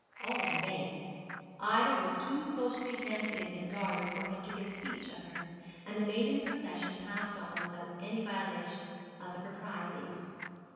All in vain. Ida was too closely hemmed in and guarded for him to get speech of her; and the maiden procession passed on without any violation of the proprieties.